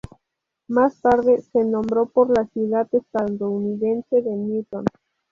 Más tarde, se nombró por la ciudad estadounidense de Newton.